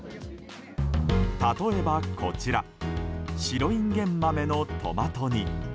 例えば、こちら白いんげん豆のトマト煮。